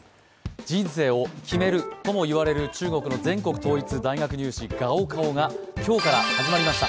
人生を決めるとも言われる中国の全国統一大学入試、高考が今日から始まりました。